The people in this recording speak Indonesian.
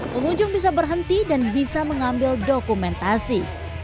pengunjung bisa berhenti dan bisa mengambil dokumentasi